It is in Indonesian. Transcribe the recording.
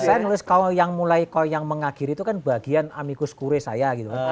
saya nulis kalau yang mengakhiri itu kan bagian amicus curia saya